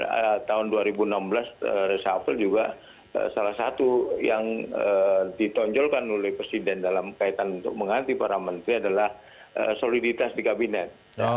karena tahun dua ribu enam belas reshuffle juga salah satu yang ditonjolkan oleh presiden dalam kaitan untuk mengganti para menteri adalah soliditas di kabinet